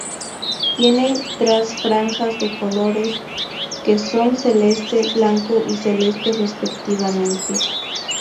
Tiene tras franjas de colores, que son celeste, blanco y celeste respectivamente.